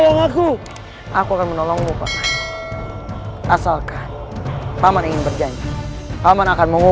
baiklah kalau itu keinginanmu